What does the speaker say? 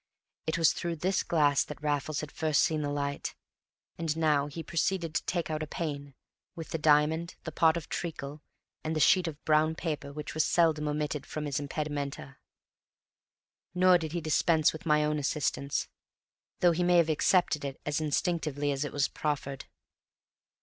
It was through this glass that Raffles had first seen the light; and he now proceeded to take out a pane, with the diamond, the pot of treacle, and the sheet of brown paper which were seldom omitted from his impedimenta. Nor did he dispense with my own assistance, though he may have accepted it as instinctively as it was proffered.